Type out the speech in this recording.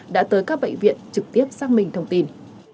đã tới các bệnh viện trực tiếp xác minh thông tin